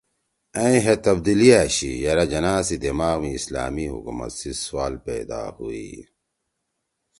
ائں ہے تبدیلی آشی یرأ جناح سی دماغ می اسلامی حکومت سی سوال پیدا ہُوئی